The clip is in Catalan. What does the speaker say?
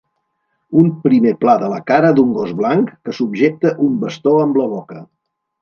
Un primer pla de la cara d'un gos blanc que subjecta un bastó amb la boca.